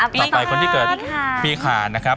ต่อไปคนที่เกิดปีขาดนะครับ